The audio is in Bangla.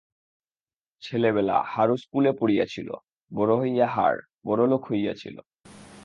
ছেলেবেলা হারু স্কুলে পড়িয়াছিল, বড় হইয়া হার বড়লোক হইয়াছিল।